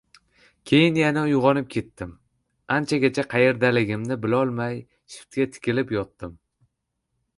Keyin yana uyg‘onib ketdim. Anchagacha qayerdaligimni bilolmay, shiftga tikilib yotdim.